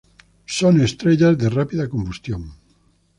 Son estrellas de rápida combustión.